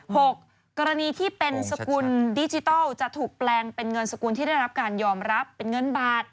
กรณีที่เป็นสกุลดิจิทัลจะถูกแปลงเป็นเงินสกุลที่ได้รับการยอมรับเป็นเงินบาท